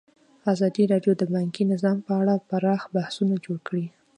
ازادي راډیو د بانکي نظام په اړه پراخ بحثونه جوړ کړي.